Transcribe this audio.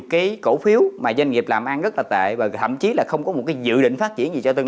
cái cổ phiếu mà doanh nghiệp làm ăn rất là tệ và thậm chí là không có một cái dự định phát triển gì cho tương